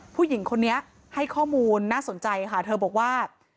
ผู้หญิงคนนี้ให้ข้อมูลน่าสนใจค่ะเธอบอกว่า